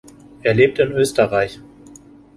Er lebt in Österreich.